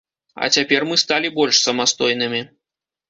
А цяпер мы сталі больш самастойнымі.